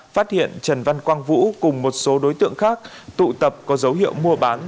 phát hiện trần văn quang vũ cùng một số đối tượng khác tụ tập có dấu hiệu mua bán